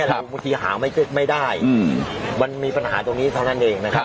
บางทีหาไม่ได้มันมีปัญหาตรงนี้เท่านั้นเองนะครับ